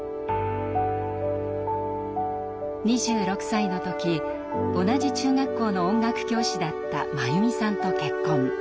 ２６歳の時同じ中学校の音楽教師だった真弓さんと結婚。